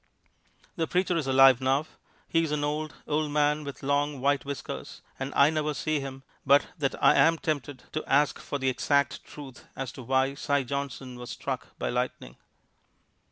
The preacher is alive now. He is an old, old man with long, white whiskers, and I never see him but that I am tempted to ask for the exact truth as to why Si Johnson was struck by lightning.